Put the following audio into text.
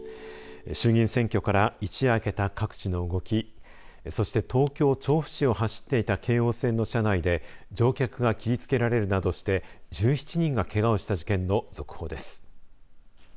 衆議院選挙から一夜明けた各地の動きそして、東京、調布市を走っていた京王線の車内で乗客が切りつけられるなどして１７人がけがをした事件の続報です。